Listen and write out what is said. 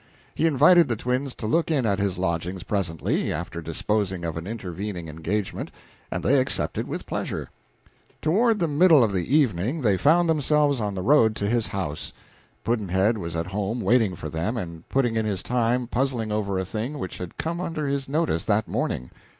He invited the twins to look in at his lodgings, presently, after disposing of an intervening engagement, and they accepted with pleasure. Toward the middle of the evening they found themselves on the road to his house. Pudd'nhead was at home waiting for them and putting in his time puzzling over a thing which had come under his notice that morning.